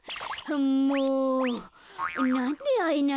もうなんであえないの？